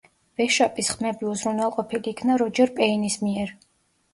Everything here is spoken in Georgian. ვეშაპის ხმები უზრუნველყოფილი იქნა როჯერ პეინის მიერ.